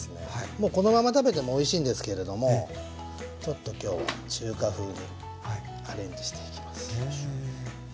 もうこのまま食べてもおいしいんですけれどもちょっと今日は中華風にアレンジしていきます。